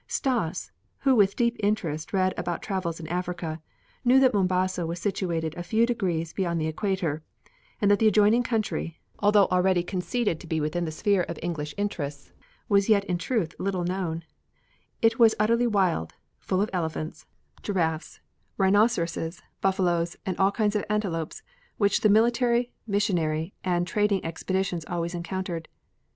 Stas, who with deep interest read about travels in Africa, knew that Mombasa was situated a few degrees beyond the equator and that the adjoining country, though already conceded to be within the sphere of English interests, was yet in truth little known; it was utterly wild, full of elephants, giraffes, rhinoceroses, buffaloes, and all kinds of antelopes, which the military, missionary, and trading expeditions always encountered.